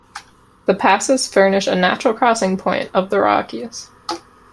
The passes furnish a natural crossing point of the Rockies.